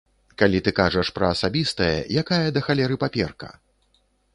Калі ты кажаш пра асабістае, якая, да халеры, паперка?